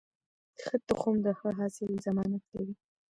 ښه تخم د ښه حاصل ضمانت کوي.